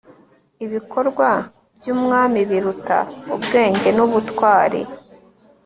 ibikorwa byumwami biruta ubwenge nubutwari